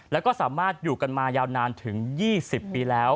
แล้วก็สามารถอยู่กันมายาวนานถึง๒๐ปีแล้ว